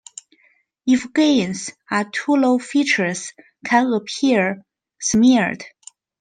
If gains are too low features can appear smeared.